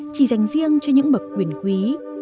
chỉ dành riêng cho những bậc quyền quý